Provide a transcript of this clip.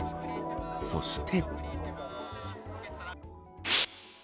そして。